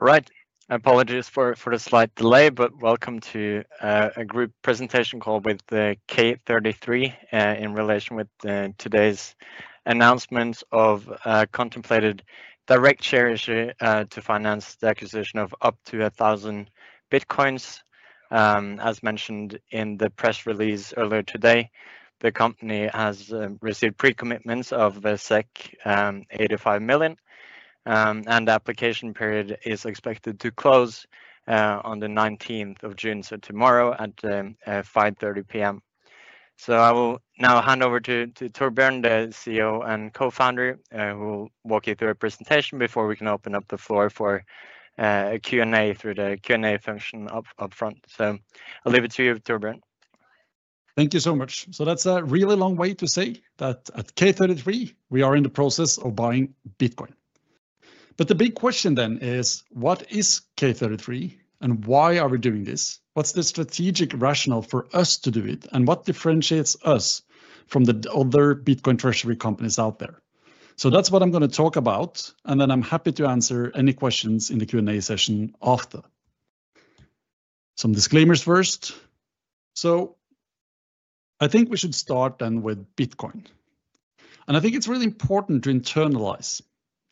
Ri`ght. Apologies for the slight delay, but welcome to a group presentation call with K33 in relation with today's announcement of contemplated direct share issue to finance the acquisition of up to 1,000 Bitcoin. As mentioned in the press release earlier today, the company has received pre-commitments of 85 million, and the application period is expected to close on the 19th of June, so tomorrow at 5:30 P.M. I will now hand over to Torbjørn, the CEO and co-founder, who will walk you through our presentation before we can open up the floor for a Q and A through the Q and A function up front. I'll leave it to you, Torbjørn. Thank you so much. That is a really long way to say that at K33, we are in the process of buying Bitcoin. The big question then is, what is K33 and why are we doing this? What is the strategic rationale for us to do it, and what differentiates us from the other Bitcoin treasury companies out there? That is what I am going to talk about, and then I am happy to answer any questions in the Q and A session after. Some disclaimers first. I think we should start then with Bitcoin. I think it is really important to internalize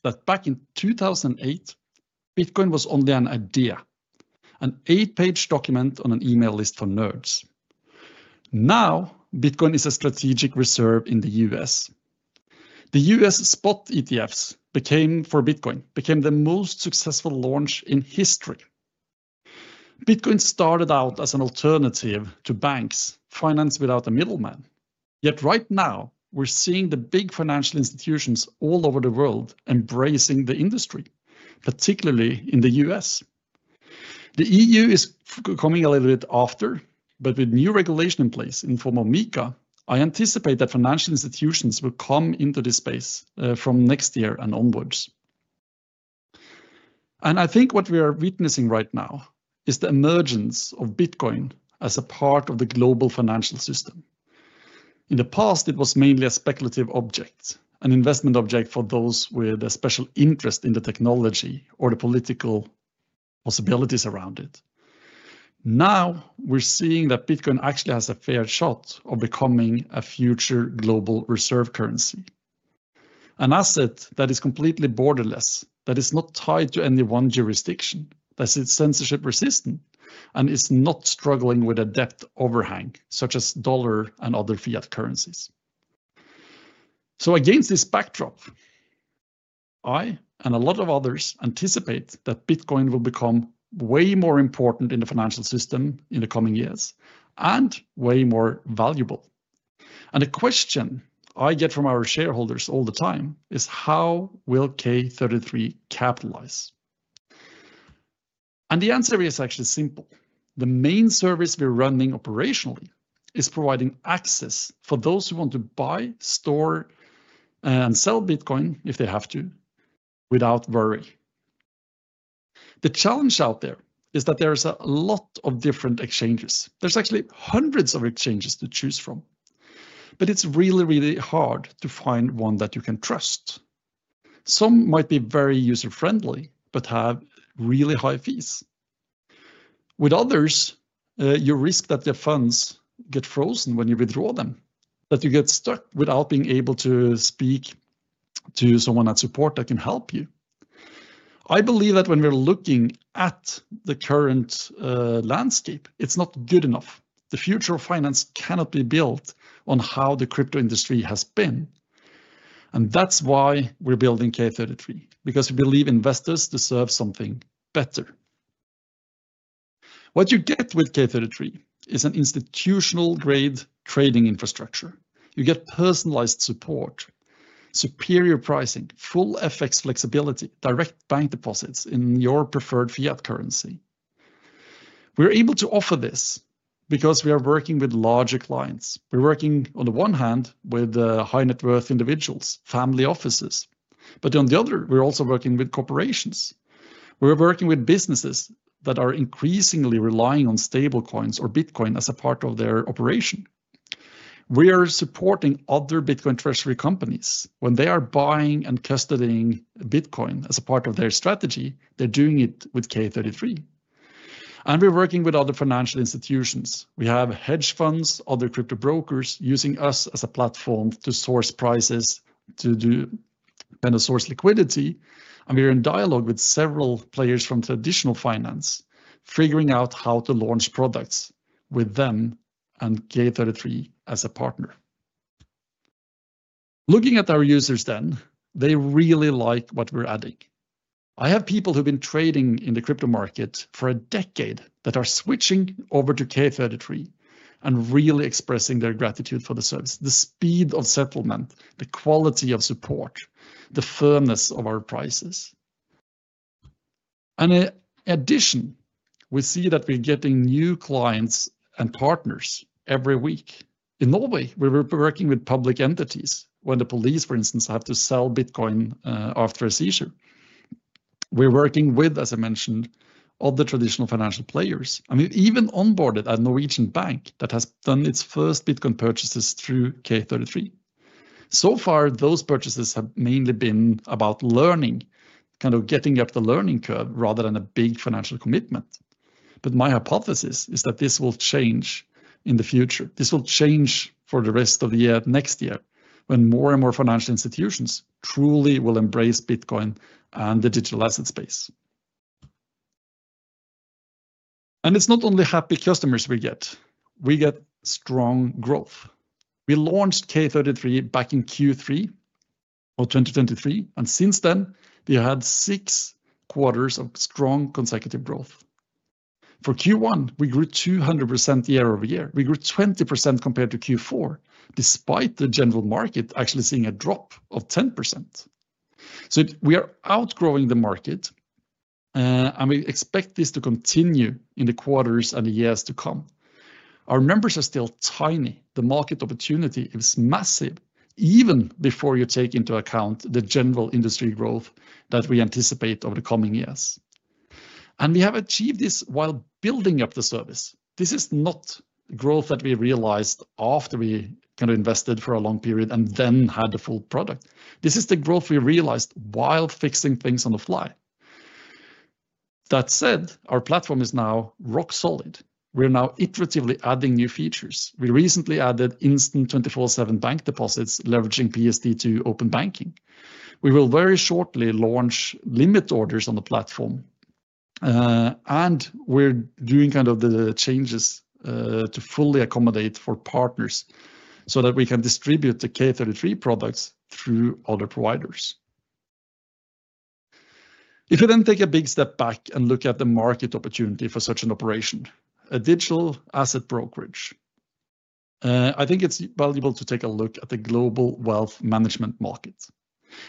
that back in 2008, Bitcoin was only an idea, an eight-page document on an email list for nerds. Now, Bitcoin is a strategic reserve in the U.S. The U.S. spot ETFs for Bitcoin became the most successful launch in history. Bitcoin started out as an alternative to banks financed without a middleman. Yet right now, we're seeing the big financial institutions all over the world embracing the industry, particularly in the U.S. The EU is coming a little bit after, but with new regulation in place in the form of MiCA, I anticipate that financial institutions will come into this space from next year and onwards. I think what we are witnessing right now is the emergence of Bitcoin as a part of the global financial system. In the past, it was mainly a speculative object, an investment object for those with a special interest in the technology or the political possibilities around it. Now, we're seeing that Bitcoin actually has a fair shot of becoming a future global reserve currency, an asset that is completely borderless, that is not tied to any one jurisdiction, that is censorship resistant, and is not struggling with a debt overhang such as the dollar and other fiat currencies. Against this backdrop, I and a lot of others anticipate that Bitcoin will become way more important in the financial system in the coming years and way more valuable. The question I get from our shareholders all the time is, how will K33 capitalize? The answer is actually simple. The main service we're running operationally is providing access for those who want to buy, store, and sell Bitcoin if they have to without worry. The challenge out there is that there are a lot of different exchanges. There's actually hundreds of exchanges to choose from, but it's really, really hard to find one that you can trust. Some might be very user-friendly, but have really high fees. With others, you risk that your funds get frozen when you withdraw them, that you get stuck without being able to speak to someone at support that can help you. I believe that when we're looking at the current landscape, it's not good enough. The future of finance cannot be built on how the crypto industry has been. That's why we're building K33, because we believe investors deserve something better. What you get with K33 is an institutional-grade trading infrastructure. You get personalized support, superior pricing, full FX flexibility, direct bank deposits in your preferred fiat currency. We're able to offer this because we are working with larger clients. We're working, on the one hand, with high-net-worth individuals, family offices, but on the other, we're also working with corporations. We're working with businesses that are increasingly relying on stablecoins or Bitcoin as a part of their operation. We are supporting other Bitcoin treasury companies. When they are buying and custodying Bitcoin as a part of their strategy, they're doing it with K33. We're working with other financial institutions. We have hedge funds, other crypto brokers using us as a platform to source prices, to kind of source liquidity. We're in dialogue with several players from traditional finance, figuring out how to launch products with them and K33 as a partner. Looking at our users then, they really like what we're adding. I have people who've been trading in the crypto market for a decade that are switching over to K33 and really expressing their gratitude for the service, the speed of settlement, the quality of support, the firmness of our prices. In addition, we see that we're getting new clients and partners every week. In Norway, we were working with public entities when the police, for instance, have to sell Bitcoin after a seizure. We're working with, as I mentioned, other traditional financial players. I mean, even onboarded a Norwegian bank that has done its first Bitcoin purchases through K33. So far, those purchases have mainly been about learning, kind of getting up the learning curve rather than a big financial commitment. But my hypothesis is that this will change in the future. This will change for the rest of the year, next year, when more and more financial institutions truly will embrace Bitcoin and the digital asset space. It is not only happy customers we get. We get strong growth. We launched K33 back in Q3 of 2023, and since then, we had six quarters of strong consecutive growth. For Q1, we grew 200% year over year. We grew 20% compared to Q4, despite the general market actually seeing a drop of 10%. We are outgrowing the market, and we expect this to continue in the quarters and the years to come. Our numbers are still tiny. The market opportunity is massive, even before you take into account the general industry growth that we anticipate over the coming years. We have achieved this while building up the service. This is not growth that we realized after we kind of invested for a long period and then had the full product. This is the growth we realized while fixing things on the fly. That said, our platform is now rock solid. We're now iteratively adding new features. We recently added instant 24/7 bank deposits leveraging PSD2 open banking. We will very shortly launch limit orders on the platform, and we're doing kind of the changes to fully accommodate for partners so that we can distribute the K33 products through other providers. If we then take a big step back and look at the market opportunity for such an operation, a digital asset brokerage, I think it's valuable to take a look at the global wealth management market.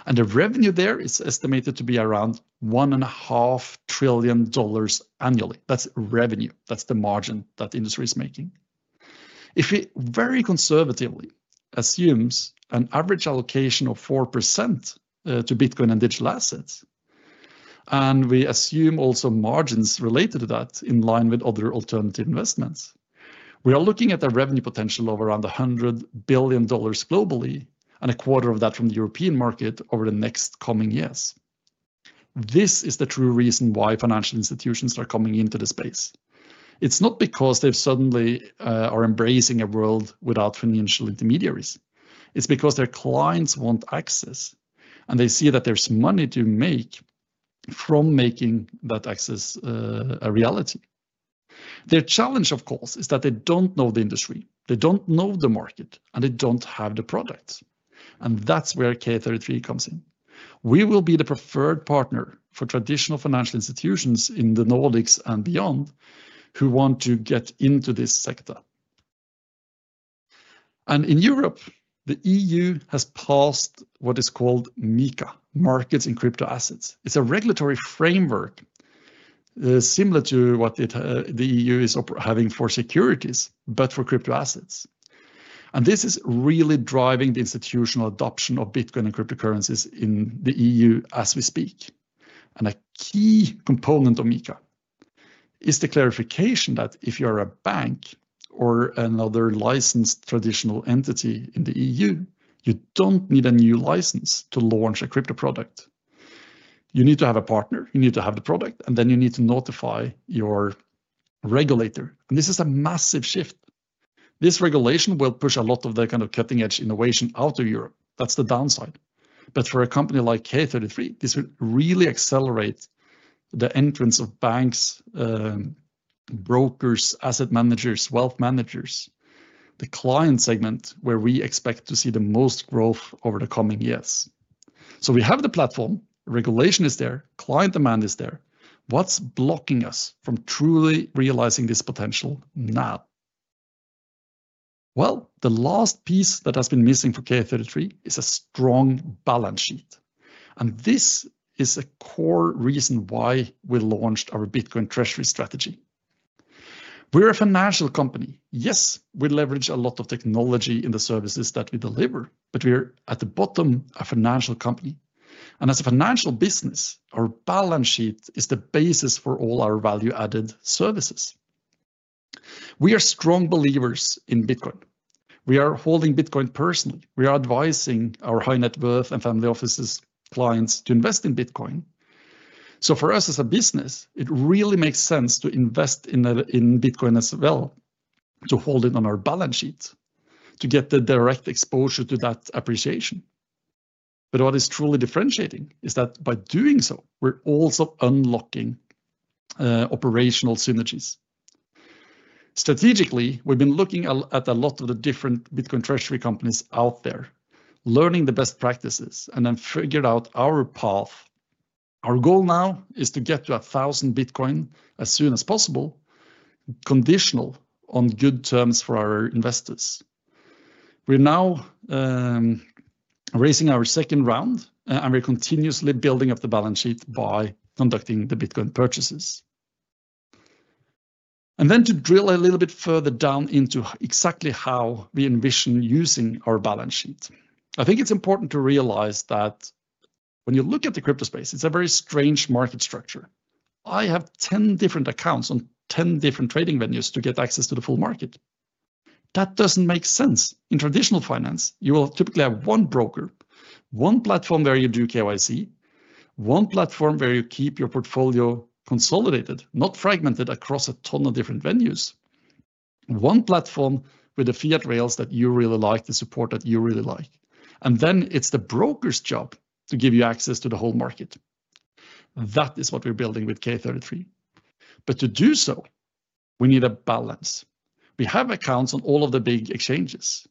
And the revenue there is estimated to be around $1.5 trillion annually. That's revenue. That's the margin that the industry is making. If we very conservatively assume an average allocation of 4% to Bitcoin and digital assets, and we assume also margins related to that in line with other alternative investments, we are looking at a revenue potential of around $100 billion globally and a quarter of that from the European market over the next coming years. This is the true reason why financial institutions are coming into the space. It's not because they suddenly are embracing a world without financial intermediaries. It's because their clients want access, and they see that there's money to make from making that access a reality. Their challenge, of course, is that they don't know the industry. They don't know the market, and they don't have the products. That's where K33 comes in. We will be the preferred partner for traditional financial institutions in the Nordics and beyond who want to get into this sector. In Europe, the EU has passed what is called MiCA, Markets in Crypto Assets. It is a regulatory framework similar to what the EU is having for securities, but for crypto assets. This is really driving the institutional adoption of Bitcoin and cryptocurrencies in the EU as we speak. A key component of MiCA is the clarification that if you are a bank or another licensed traditional entity in the EU, you do not need a new license to launch a crypto product. You need to have a partner. You need to have the product, and then you need to notify your regulator. This is a massive shift. This regulation will push a lot of the kind of cutting-edge innovation out of Europe. That is the downside. For a company like K33, this will really accelerate the entrance of banks, brokers, asset managers, wealth managers, the client segment where we expect to see the most growth over the coming years. We have the platform. Regulation is there. Client demand is there. What's blocking us from truly realizing this potential now? The last piece that has been missing for K33 is a strong balance sheet. This is a core reason why we launched our Bitcoin treasury strategy. We're a financial company. Yes, we leverage a lot of technology in the services that we deliver, but we're at the bottom of a financial company. As a financial business, our balance sheet is the basis for all our value-added services. We are strong believers in Bitcoin. We are holding Bitcoin personally. We are advising our high-net-worth and family offices clients to invest in Bitcoin. For us as a business, it really makes sense to invest in Bitcoin as well, to hold it on our balance sheet, to get the direct exposure to that appreciation. What is truly differentiating is that by doing so, we're also unlocking operational synergies. Strategically, we've been looking at a lot of the different Bitcoin treasury companies out there, learning the best practices, and then figured out our path. Our goal now is to get to 1,000 Bitcoin as soon as possible, conditional on good terms for our investors. We're now raising our second round, and we're continuously building up the balance sheet by conducting the Bitcoin purchases. To drill a little bit further down into exactly how we envision using our balance sheet, I think it's important to realize that when you look at the crypto space, it's a very strange market structure. I have 10 different accounts on 10 different trading venues to get access to the full market. That doesn't make sense. In traditional finance, you will typically have one broker, one platform where you do KYC, one platform where you keep your portfolio consolidated, not fragmented across a ton of different venues, one platform with the fiat rails that you really like, the support that you really like. It is the broker's job to give you access to the whole market. That is what we're building with K33. To do so, we need a balance. We have accounts on all of the big exchanges.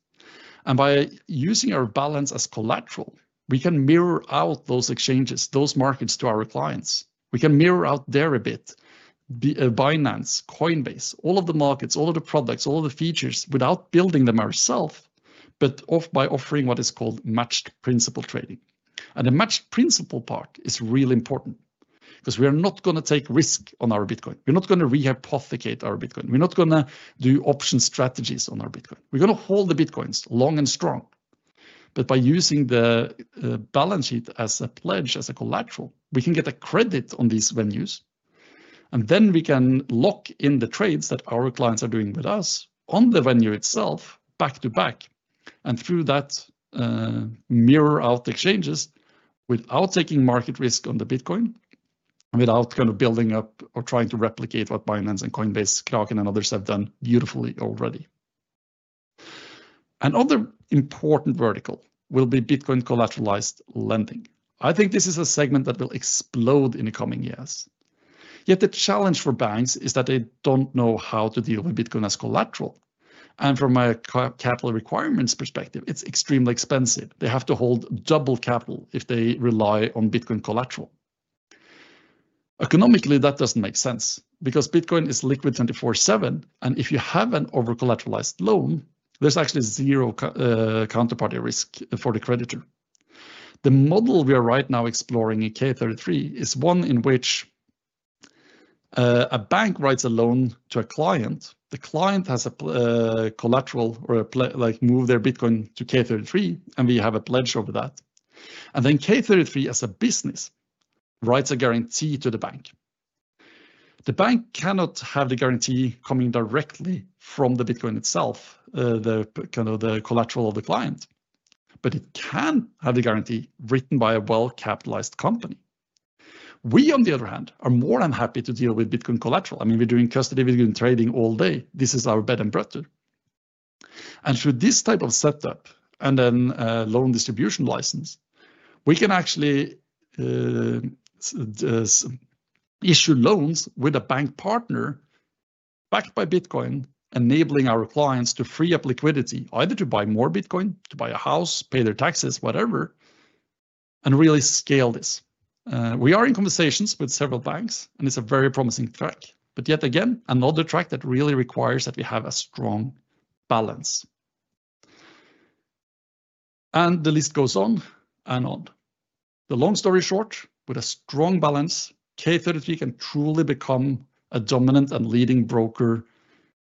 By using our balance as collateral, we can mirror out those exchanges, those markets to our clients. We can mirror out there a bit, Binance, Coinbase, all of the markets, all of the products, all of the features without building them ourself, but by offering what is called matched principal trading. The matched principal part is really important because we are not going to take risk on our Bitcoin. We're not going to rehypothecate our Bitcoin. We're not going to do option strategies on our Bitcoin. We're going to hold the Bitcoins long and strong. By using the balance sheet as a pledge, as a collateral, we can get a credit on these venues. We can lock in the trades that our clients are doing with us on the venue itself, back to back, and through that, mirror out exchanges without taking market risk on the Bitcoin, without kind of building up or trying to replicate what Binance and Coinbase, Kraken, and others have done beautifully already. Another important vertical will be Bitcoin collateralized lending. I think this is a segment that will explode in the coming years. Yet the challenge for banks is that they do not know how to deal with Bitcoin as collateral. From a capital requirements perspective, it is extremely expensive. They have to hold double capital if they rely on Bitcoin collateral. Economically, that does not make sense because Bitcoin is liquid 24/7, and if you have an over-collateralized loan, there is actually zero counterparty risk for the creditor. The model we are right now exploring in K33 is one in which a bank writes a loan to a client. The client has a collateral or move their Bitcoin to K33, and we have a pledge over that. Then K33, as a business, writes a guarantee to the bank. The bank cannot have the guarantee coming directly from the Bitcoin itself, kind of the collateral of the client, but it can have the guarantee written by a well-capitalized company. We, on the other hand, are more than happy to deal with Bitcoin collateral. I mean, we're doing custody, we're doing trading all day. This is our bed and breadth. Through this type of setup and then loan distribution license, we can actually issue loans with a bank partner backed by Bitcoin, enabling our clients to free up liquidity, either to buy more Bitcoin, to buy a house, pay their taxes, whatever, and really scale this. We are in conversations with several banks, and it is a very promising track. Yet again, another track that really requires that we have a strong balance. The list goes on and on. The long story short, with a strong balance, K33 can truly become a dominant and leading broker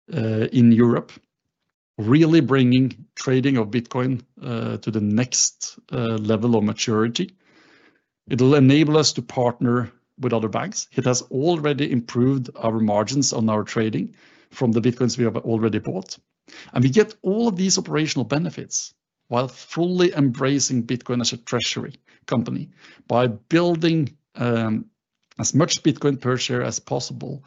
in Europe, really bringing trading of Bitcoin to the next level of maturity. It will enable us to partner with other banks. It has already improved our margins on our trading from the Bitcoin we have already bought. We get all of these operational benefits while fully embracing Bitcoin as a treasury company by building as much Bitcoin per share as possible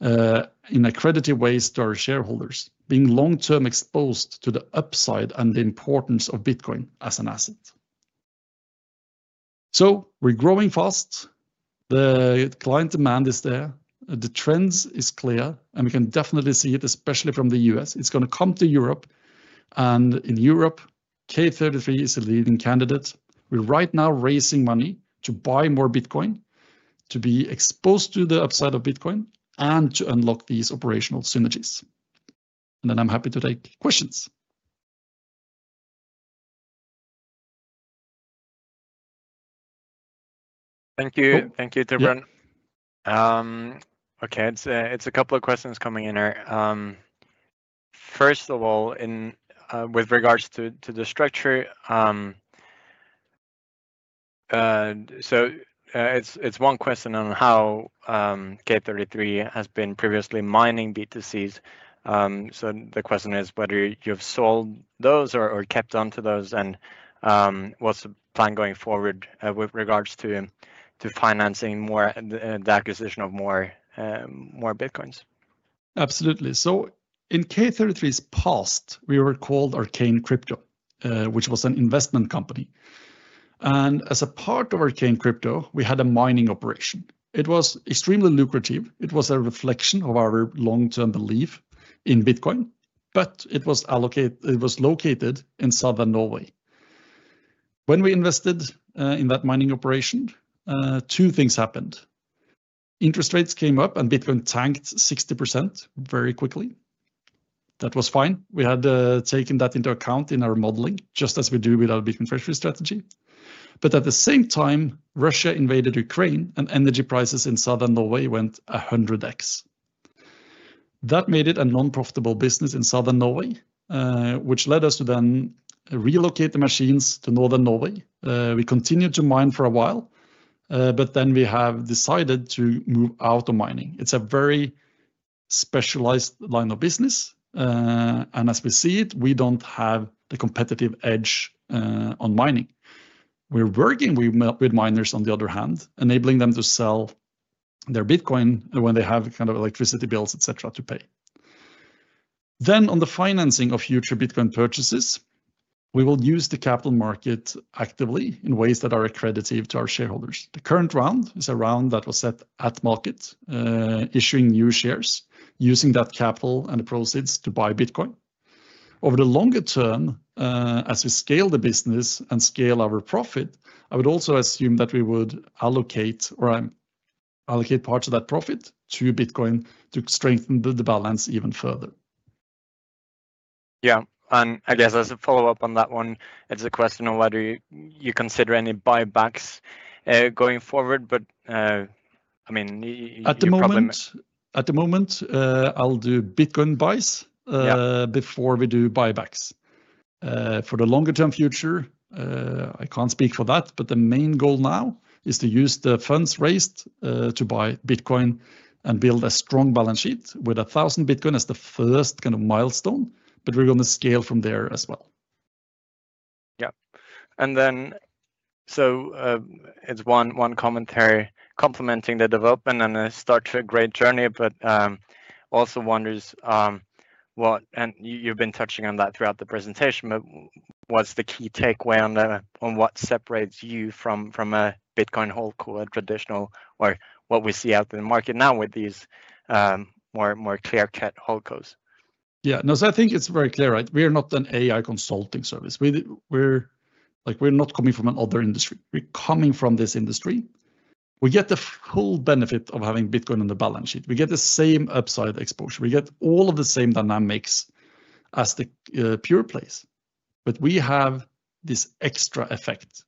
in accredited ways to our shareholders, being long-term exposed to the upside and the importance of Bitcoin as an asset. We are growing fast. The client demand is there. The trend is clear, and we can definitely see it, especially from the U.S. It is going to come to Europe. In Europe, K33 is a leading candidate. We are right now raising money to buy more Bitcoin, to be exposed to the upside of Bitcoin, and to unlock these operational synergies. I am happy to take questions. Thank you. Thank you, Torbjørn. Okay, a couple of questions are coming in here. First of all, with regards to the structure, there is one question on how K33 has been previously mining BTCs. The question is whether you've sold those or kept on to those, and what's the plan going forward with regards to financing the acquisition of more Bitcoins? Absolutely. In K33's past, we were called Arcane Crypto, which was an investment company. As a part of Arcane Crypto, we had a mining operation. It was extremely lucrative. It was a reflection of our long-term belief in Bitcoin, but it was located in southern Norway. When we invested in that mining operation, two things happened. Interest rates came up, and Bitcoin tanked 60% very quickly. That was fine. We had taken that into account in our modeling, just as we do with our Bitcoin treasury strategy. At the same time, Russia invaded Ukraine, and energy prices in southern Norway went 100x. That made it a non-profitable business in southern Norway, which led us to then relocate the machines to northern Norway. We continued to mine for a while, but then we have decided to move out of mining. It's a very specialized line of business. As we see it, we don't have the competitive edge on mining. We're working with miners, on the other hand, enabling them to sell their Bitcoin when they have kind of electricity bills, etc., to pay. On the financing of future Bitcoin purchases, we will use the capital market actively in ways that are accredited to our shareholders. The current round is a round that was set at market, issuing new shares, using that capital and the proceeds to buy Bitcoin. Over the longer term, as we scale the business and scale our profit, I would also assume that we would allocate parts of that profit to Bitcoin to strengthen the balance even further. Yeah. I guess as a follow-up on that one, it's a question of whether you consider any buybacks going forward, but I mean, you have problems. At the moment, I'll do Bitcoin buys before we do buybacks. For the longer-term future, I can't speak for that, but the main goal now is to use the funds raised to buy Bitcoin and build a strong balance sheet with 1,000 Bitcoin as the first kind of milestone, but we're going to scale from there as well. Yeah. It's one commentary complementing the development and a start to a great journey, but also wonders what, and you've been touching on that throughout the presentation, what's the key takeaway on what separates you from a Bitcoin hold call or traditional, or what we see out in the market now with these more clear-cut hold calls? Yeah. No, I think it's very clear, right? We are not an AI consulting service. We're not coming from another industry. We're coming from this industry. We get the full benefit of having Bitcoin on the balance sheet. We get the same upside exposure. We get all of the same dynamics as the pure plays. We have this extra effect,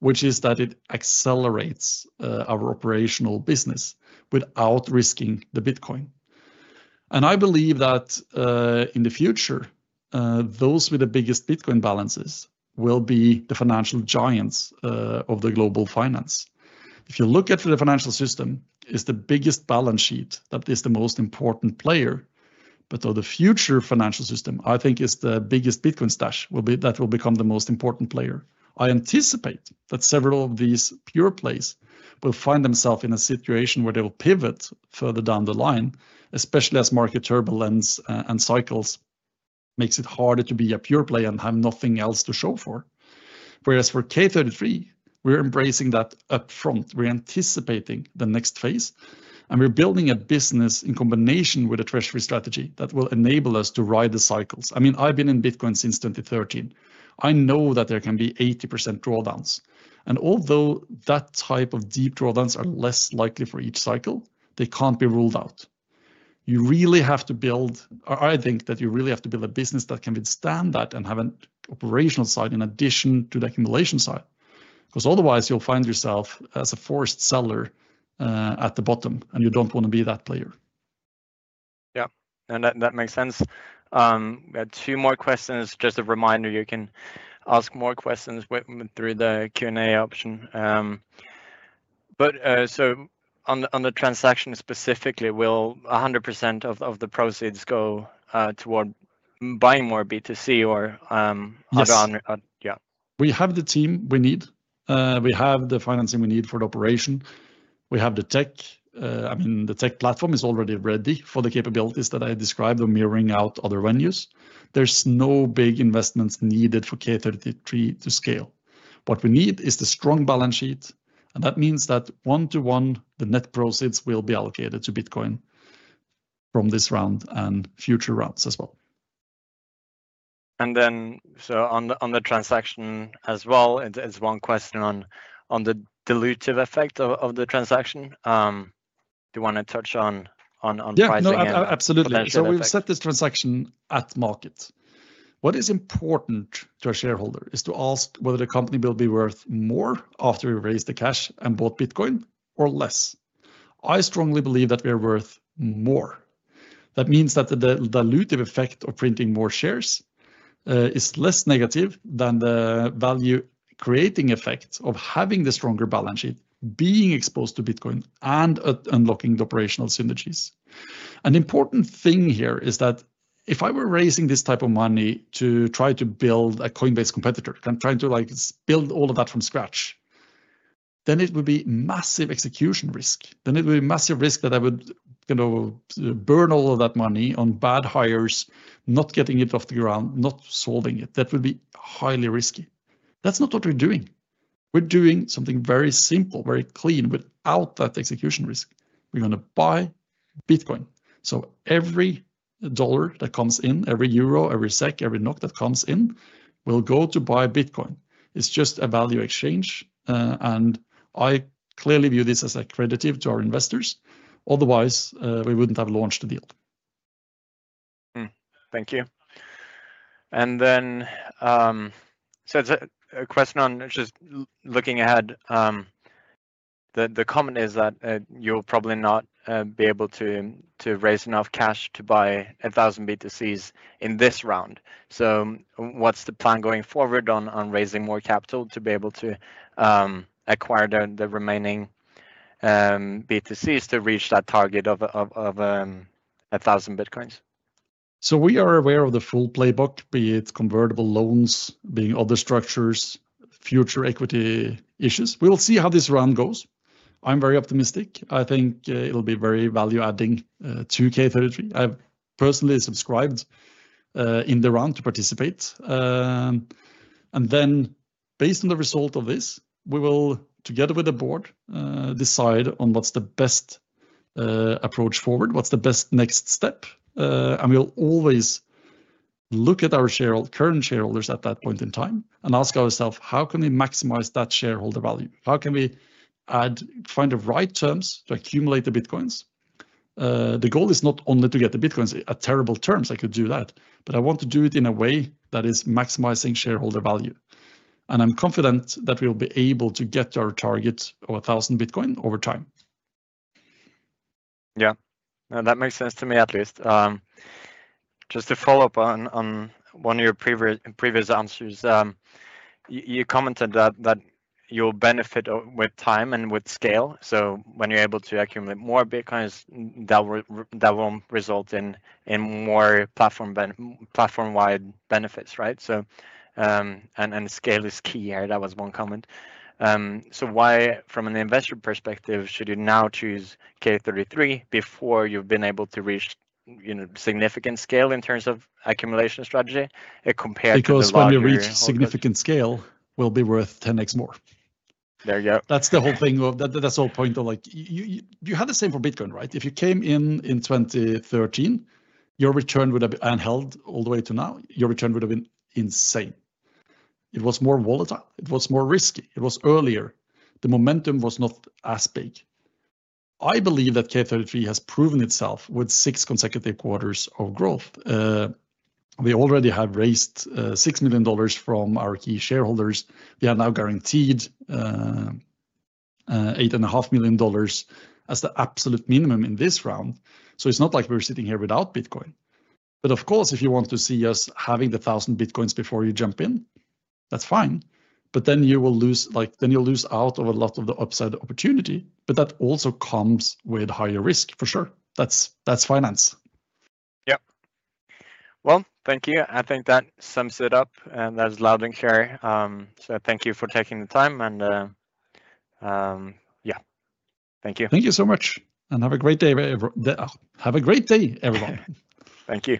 which is that it accelerates our operational business without risking the Bitcoin. I believe that in the future, those with the biggest Bitcoin balances will be the financial giants of global finance. If you look at the financial system, it's the biggest balance sheet that is the most important player. For the future financial system, I think it's the biggest Bitcoin stash that will become the most important player. I anticipate that several of these pure plays will find themselves in a situation where they will pivot further down the line, especially as market turbulence and cycles make it harder to be a pure play and have nothing else to show for. Whereas for K33, we're embracing that upfront. We're anticipating the next phase, and we're building a business in combination with a treasury strategy that will enable us to ride the cycles. I mean, I've been in Bitcoin since 2013. I know that there can be 80% drawdowns. Although that type of deep drawdowns are less likely for each cycle, they cannot be ruled out. You really have to build, or I think that you really have to build a business that can withstand that and have an operational side in addition to the accumulation side. Because otherwise, you will find yourself as a forced seller at the bottom, and you do not want to be that player. Yeah. That makes sense. We had two more questions. Just a reminder, you can ask more questions through the Q and A option. On the transaction specifically, will 100% of the proceeds go toward buying more BTC or add on? Yeah. We have the team we need. We have the financing we need for the operation. We have the tech. I mean, the tech platform is already ready for the capabilities that I described of mirroring out other venues. There's no big investments needed for K33 to scale. What we need is the strong balance sheet, and that means that one-to-one, the net proceeds will be allocated to Bitcoin from this round and future rounds as well. On the transaction as well, it's one question on the dilutive effect of the transaction. Do you want to touch on pricing and transaction? Yeah, absolutely. We've set this transaction at market. What is important to a shareholder is to ask whether the company will be worth more after we raise the cash and bought Bitcoin or less. I strongly believe that we are worth more. That means that the dilutive effect of printing more shares is less negative than the value-creating effect of having the stronger balance sheet, being exposed to Bitcoin, and unlocking the operational synergies. An important thing here is that if I were raising this type of money to try to build a Coinbase competitor, trying to build all of that from scratch, then it would be massive execution risk. Then it would be massive risk that I would kind of burn all of that money on bad hires, not getting it off the ground, not solving it. That would be highly risky. That is not what we are doing. We are doing something very simple, very clean without that execution risk. We are going to buy Bitcoin. Every dollar that comes in, every euro, every SEK, every NOK that comes in, will go to buy Bitcoin. It is just a value exchange, and I clearly view this as accredited to our investors. Otherwise, we would not have launched the deal. Thank you. It is a question on just looking ahead. The comment is that you'll probably not be able to raise enough cash to buy 1,000 BTCs in this round. What's the plan going forward on raising more capital to be able to acquire the remaining BTCs to reach that target of 1,000 Bitcoins? We are aware of the full playbook, be it convertible loans, being other structures, future equity issues. We'll see how this round goes. I'm very optimistic. I think it'll be very value-adding to K33. I've personally subscribed in the round to participate. Based on the result of this, we will, together with the board, decide on what's the best approach forward, what's the best next step. We'll always look at our current shareholders at that point in time and ask ourselves, how can we maximize that shareholder value? How can we find the right terms to accumulate the Bitcoins? The goal is not only to get the Bitcoins at terrible terms. I could do that, but I want to do it in a way that is maximizing shareholder value. I'm confident that we'll be able to get to our target of 1,000 Bitcoin over time. Yeah. That makes sense to me, at least. Just to follow up on one of your previous answers, you commented that you'll benefit with time and with scale. When you're able to accumulate more Bitcoins, that will result in more platform-wide benefits, right? Scale is key here. That was one comment. Why, from an investor perspective, should you now choose K33 before you've been able to reach significant scale in terms of accumulation strategy compared to the past? Because when you reach significant scale, it will be worth 10x more. There you go. That's the whole thing. That's the whole point of like, you had the same for Bitcoin, right? If you came in in 2013, your return would have been unheld all the way to now. Your return would have been insane. It was more volatile. It was more risky. It was earlier. The momentum was not as big. I believe that K33 has proven itself with six consecutive quarters of growth. We already have raised $6 million from our key shareholders. We are now guaranteed $8.5 million as the absolute minimum in this round. It is not like we are sitting here without Bitcoin. Of course, if you want to see us having the 1,000 Bitcoins before you jump in, that is fine. You will lose out of a lot of the upside opportunity. That also comes with higher risk, for sure. That is finance. Yeah. Thank you. I think that sums it up, and that's loud and clear. Thank you for taking the time. Yeah, thank you. Thank you so much. Have a great day, everyone. Have a great day, everyone. Thank you.